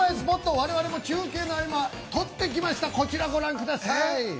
我々も中継の合間、撮ってきました、こちらご覧ください。